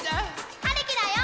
はるきだよ！